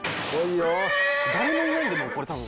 誰もいないんでこれ多分。